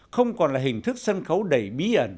không còn là hình thức sân khấu đầy bí ẩn